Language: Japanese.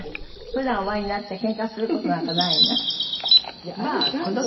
普段お会いになってケンカする事なんかないの？